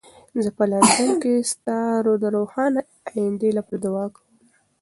زه په لندن کې ستا د روښانه ایندې لپاره دعا کوم.